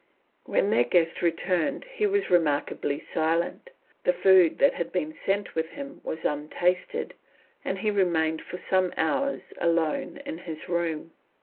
When their guest returned he was remarkably silent; the food that had been sent with him was untasted, and he remained for some hours alone in his room.